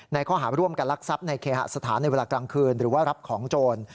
ในค้อหาร่วมกันรักษัพในเกษทฐานในเวลากลางคืน